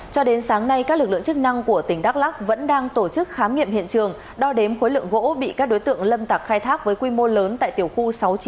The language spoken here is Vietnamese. cho đến sáng nay các lực lượng chức năng của tỉnh đắk lắc vẫn đang tổ chức khám nghiệm hiện trường đo đếm khối lượng gỗ bị các đối tượng lâm tặc khai thác với quy mô lớn tại tiểu khu sáu trăm chín mươi